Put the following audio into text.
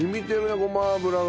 ごま油が。